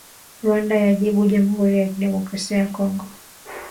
Rwanda yajibu jamhuri ya kidemokrasia ya Kongo